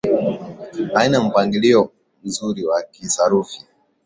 haina mpangilio mzuri wa kisarufi